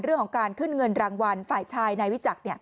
เรื่องของการขึ้นเงินรางวัลฝ่ายชายนายวิจักร